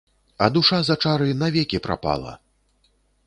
А душа за чары навекі прапала!